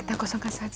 kita kosongkan saja